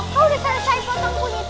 kau udah cari potong kuning nya